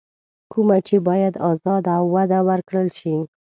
کومه چې بايد ازاده او وده ورکړل شي.